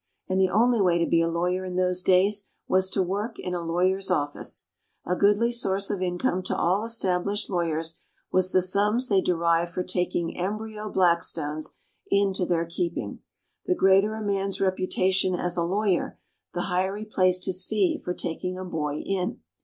And the only way to be a lawyer in those days was to work in a lawyer's office. A goodly source of income to all established lawyers was the sums they derived for taking embryo Blackstones into their keeping. The greater a man's reputation as a lawyer, the higher he placed his fee for taking a boy in.